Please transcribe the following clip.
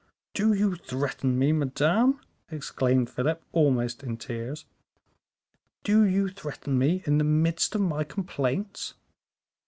"Do you threaten me, madame?" exclaimed Philip, almost in tears; "do you threaten me in the midst of my complaints?"